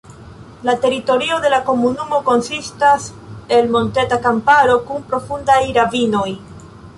La teritorio de la komunumo konsistas el monteta kamparo kun profundaj ravinoj.